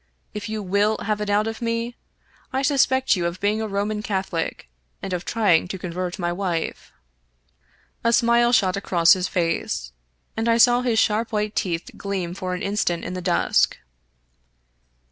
If you will have it out of me, I suspect you of being a Roman Catho lic, and of trying to convert my wife." A smile shot across his face, and I saw his sharp white teeth gleam for an instant in the dusk.